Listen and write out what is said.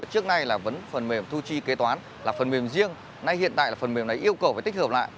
trước nay là vấn phần mềm thu chi kế toán là phần mềm riêng nay hiện tại là phần mềm này yêu cầu phải tích hợp lại